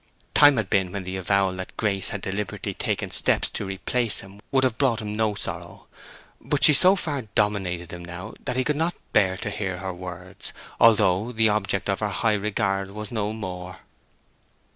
Time had been when the avowal that Grace had deliberately taken steps to replace him would have brought him no sorrow. But she so far dominated him now that he could not bear to hear her words, although the object of her high regard was no more.